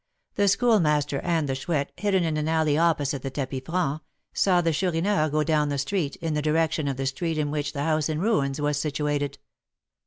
The Schoolmaster and the Chouette, hidden in an alley opposite the tapis franc, saw the Chourineur go down the street, in the direction of the street in which the house in ruins was situated.